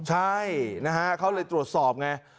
ใช่นะฮะเขาเลยตรวจสอบไง